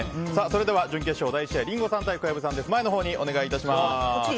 では準決勝第１試合リンゴさん対小籔さんです。